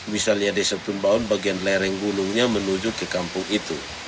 misalnya desa tumbang bagian lereng gunungnya menuju ke kampung itu